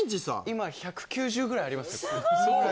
今１９０ぐらいあります